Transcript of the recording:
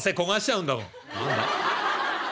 「何だ？